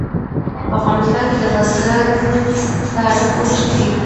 په افغانستان کې د بزګان تاریخ اوږد دی.